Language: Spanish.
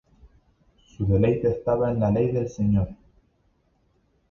Su deleite estaba en la ley del Señor".